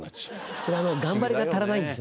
それはもう頑張りが足らないんですね。